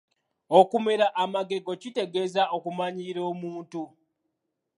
Okumera amagego kitegeeza okumanyiira omuntu.